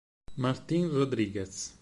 Martín Rodríguez